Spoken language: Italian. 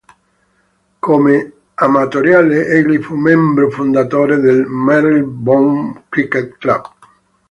Come amatoriale, egli fu membro fondatore del Marylebone Cricket Club.